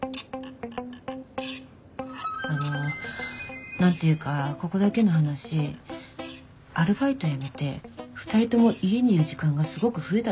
あの何て言うかここだけの話アルバイトやめて２人とも家にいる時間がすごく増えたでしょ？